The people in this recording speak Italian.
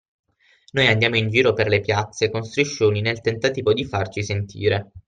Noi andiamo in giro per le piazze con striscioni nel tentativo di farci sentire